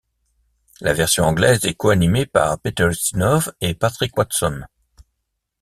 La version anglaise est coanimée par Peter Ustinov et Patrick Watson.